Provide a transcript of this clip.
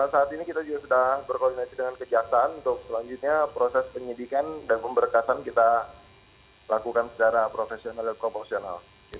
saat ini kita juga sudah berkoordinasi dengan kejaksaan untuk selanjutnya proses penyidikan dan pemberkasan kita lakukan secara profesional dan proporsional